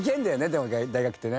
でも大学ってね。